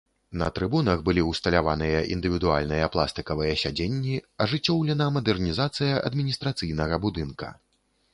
На трыбунах былі ўсталяваныя індывідуальныя пластыкавыя сядзенні, ажыццёўлена мадэрнізацыя адміністрацыйнага будынка.